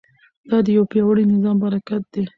دا د یو پیاوړي نظام برکت دی.